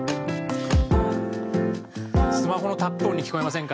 スマホのタップ音に聞こえませんか？